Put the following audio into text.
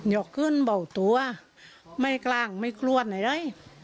อย่าขึ้นเบาตัวไม่กลางไม่กลัวไหนเลย